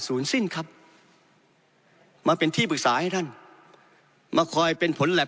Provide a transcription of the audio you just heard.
สิ้นครับมาเป็นที่ปรึกษาให้ท่านมาคอยเป็นผลแล็บ